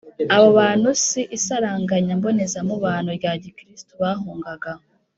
abo bantu si isaranganya mbonezamubano rya gikristu bahungaga.